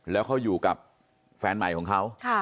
แล้วเขาอยู่กับแฟนใหม่ของเขา